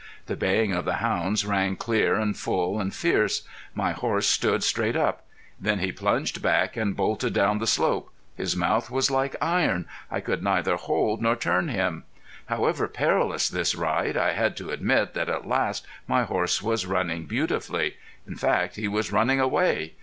The baying of the hounds rang clear and full and fierce. My horse stood straight up. Then he plunged back and bolted down the slope. His mouth was like iron. I could neither hold nor turn him. However perilous this ride I had to admit that at last my horse was running beautifully. In fact he was running away!